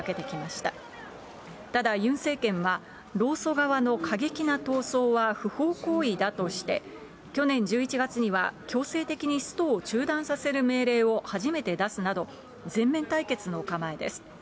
ただ、ユン政権は労組側の過激な闘争は不法行為だとして、去年１１月には強制的にストを中断させる命令を初めて出すなど、全面対決の構えです。